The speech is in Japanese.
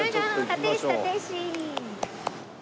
立石立石！